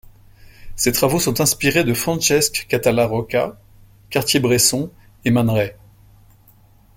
Ses travaux sont inspirés de Francesc Català Roca, Cartier-Bresson et Man Ray.